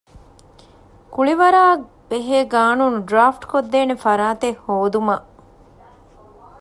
ކުޅިވަރާބެހޭ ޤާނޫނު ޑްރާފްޓްކޮށްދޭނެ ފަރާތެއް ހޯދުމަށް